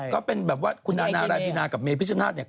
ก็เป็นแบบว่าคุณนานารายบีนากับเมพิชนาธิ์เนี่ย